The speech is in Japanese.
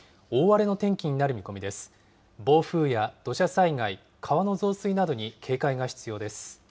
暴風や土砂災害川の増水などに警戒が必要です。